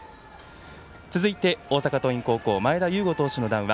続いて、大阪桐蔭高校前田悠伍投手の談話。